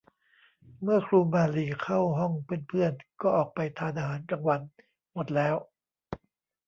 เมื่อครูมาลีเข้าห้องเพื่อน ๆ ก็ออกไปทานอาหารกลางวันหมดแล้ว